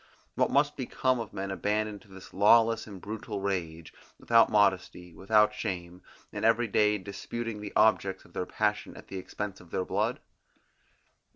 What must become of men abandoned to this lawless and brutal rage, without modesty, without shame, and every day disputing the objects of their passion at the expense of their blood?